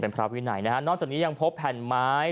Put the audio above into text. เป็นพระวินัยนะฮะนอกจากนี้ยังพบแผ่นไม้